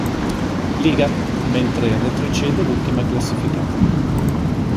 Liga, mentre retrocede l'ultima classificata.